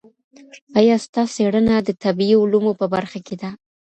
ایا ستا څېړنه د طبعي علومو په برخه کي ده؟